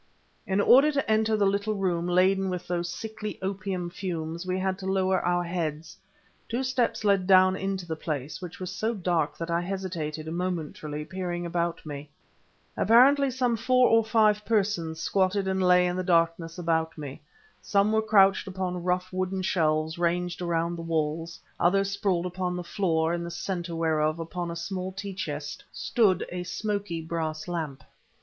In order to enter the little room laden with those sickly opium fumes we had to lower our heads. Two steps led down into the place, which was so dark that I hesitated, momentarily, peering about me. Apparently some four of five persons squatted and lay in the darkness about me. Some were couched upon rough wooden shelves ranged around the walls, others sprawled upon the floor, in the center whereof, upon a small tea chest, stood a smoky brass lamp.